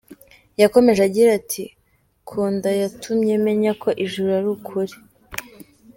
Yakomeje agira ati "Kunda yatumye menya ko ijuru ari ukuri.